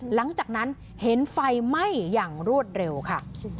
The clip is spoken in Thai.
หลังจากนั้นเห็นไฟไหม้อย่างรวดเร็วค่ะ